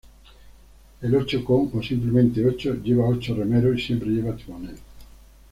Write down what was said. El "ocho con" o simplemente "ocho" lleva ocho remeros, y siempre lleva timonel.